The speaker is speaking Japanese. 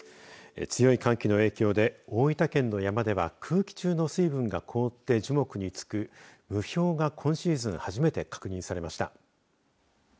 強い寒気の影響で大分県の山では空気中の水分が凍って樹木につく霧氷が今シーズン初めて確認されました。